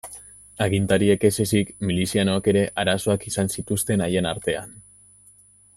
Agintariek ez ezik, milizianoek ere arazoak izan zituzten haien artean.